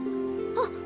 あっ！